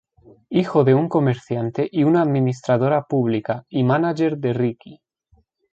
Hijo de un comerciante y una administradora pública y manager de Ricky.